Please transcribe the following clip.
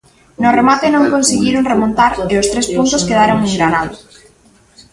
No remate non conseguiron remontar e os tres puntos quedaron en Granada.